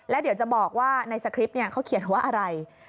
แล้วเดี๋ยวจะบอกว่าในสคริปต์เขาเขียนว่าอะไร